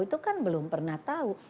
itu kan belum pernah tahu